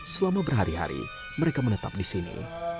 selama berhari hari mereka menetap di sini